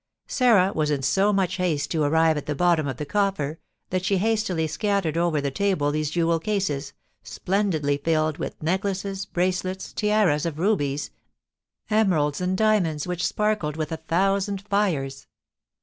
Sarah was in so much haste to arrive at the bottom of the coffer, that she hastily scattered over the table these jewel cases, splendidly filled with necklaces, bracelets, tiaras of rubies, emeralds, and diamonds, which sparkled with a thousand fires.